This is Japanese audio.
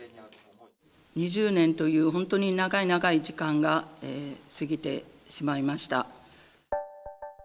２０年という本当に長い長い時間が過ぎてしまいました。